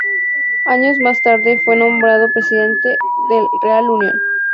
Años más tarde fue nombrado presidente del Real Unión.